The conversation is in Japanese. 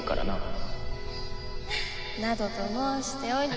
などと申しており。